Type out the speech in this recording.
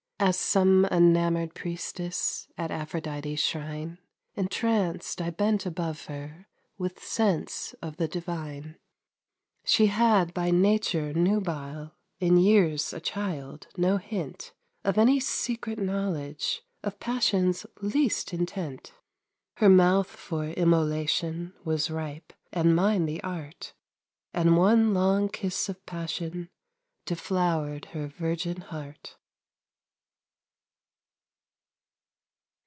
As some enamored priestess At Aphrodite's shrine, Entranced I bent above her With sense of the divine. She had, by nature nubile, In years a child, no hint Of any secret knowledge Of passion's least intent. Her mouth for immolation Was ripe, and mine the art; And one long kiss of passion Deflowered her virgin heart.